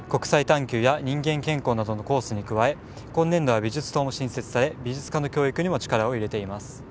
人間健康や国際探求などのコースに加え、今年度は美術棟も新設され、美術科の教育にも力を入れています。